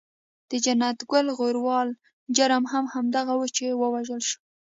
د جنت ګل غروال جرم هم همدغه وو چې و وژل شو.